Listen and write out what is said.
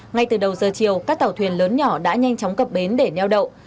ngay từ đầu giờ chiều các tàu thuyền lớn nhỏ đã nhanh chóng cập bến để neo đậu